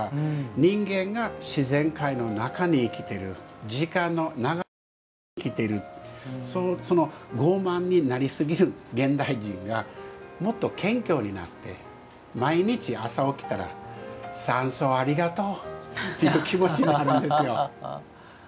人間が自然界の中に生きてる時間の流れの中に生きている傲慢になりすぎる現代人がもっと謙虚になって毎日、朝起きたら酸素をありがとうという気持ちになるんですよ。